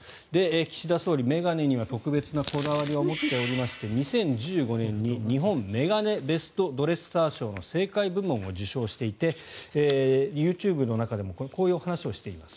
岸田総理は眼鏡には特別なこだわりを持っておりまして２０１５年に日本メガネベストドレッサー賞政界部門を受賞していてＹｏｕＴｕｂｅの中でもこういう話をしています。